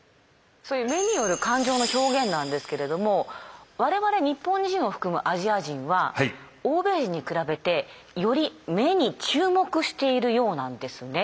そういう目による感情の表現なんですけれども我々日本人を含むアジア人は欧米人に比べてより目に注目しているようなんですね。